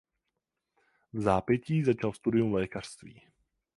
Vzápětí začal studium lékařství.